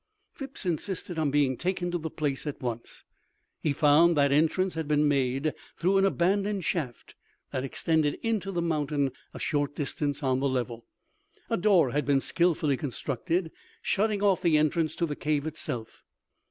Phipps insisted on being taken to the place at once. He found that entrance had been made through an abandoned shaft that extended into the mountain a short distance on the level. A door had been skilfully constructed, shutting off the entrance to the cave itself.